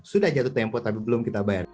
sudah jatuh tempo tapi belum kita bayar